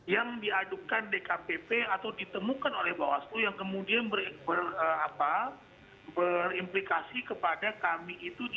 yang diadukan dkpp atau ditemukan oleh bawaslu yang kemudian berimplikasi kepada kami itu